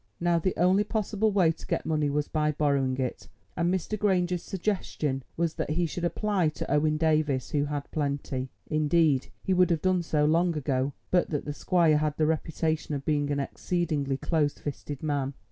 Now the only possible way to get money was by borrowing it, and Mr. Granger's suggestion was that he should apply to Owen Davies, who had plenty. Indeed he would have done so long ago, but that the squire had the reputation of being an exceedingly close fisted man.